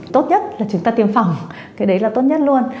tốt nhất là chúng ta tiêm phòng cái đấy là tốt nhất luôn